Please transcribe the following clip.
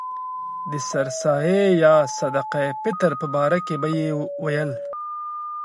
د سر سایې یا صدقه فطر په باره کې به یې ویل.